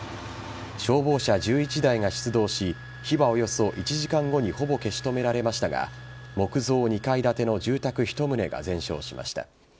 消防車１１台が出動し火はおよそ１時間後にほぼ消し止められましたが木造２階建ての住宅１棟が全焼しました。